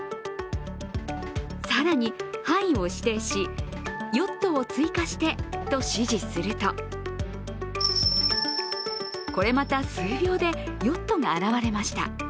更に範囲を指定し、ヨットを追加してと指示すると、これまた数秒でヨットが現れました。